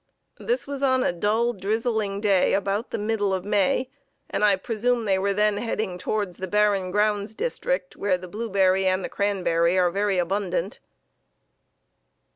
This was on a dull, drizzling day about the middle of May, and I presume they were then heading towards the Barren Grounds district, where the blueberry and the cranberry are very abundant."